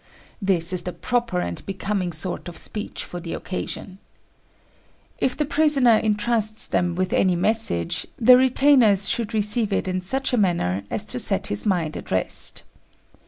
This is the proper and becoming sort of speech for the occasion. If the prisoner entrusts them with any message, the retainers should receive it in such a manner as to set his mind at rest.